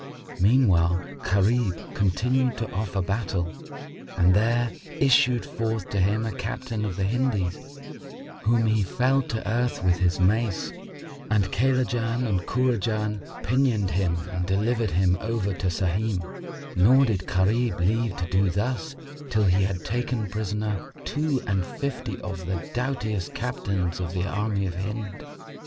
Meanwhile Gharib continued to offer battle and there issued forth to him a captain of the Hindís whom he felled to earth with his mace, and Kaylajan and Kurajan pinioned him and delivered him over to Sahim; nor did Gharib leave to do thus, till he had taken prisoner two and fifty of the doughtiest Captains of the army of Hind.